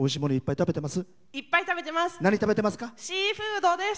いっぱい食べてます。